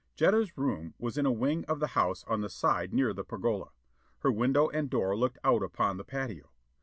Jetta's room was in a wing of the house on the side near the pergola. Her window and door looked out upon the patio.